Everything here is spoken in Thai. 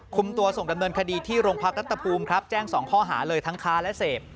คุมตัวส่งดำเนินคดีที่โรงพักรัฐภูมิครับแจ้ง๒ข้อหาเลยทั้งค้าและเสพ